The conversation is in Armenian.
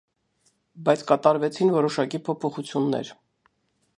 Բայց կատարվեցին որոշակի փոփոխություններ։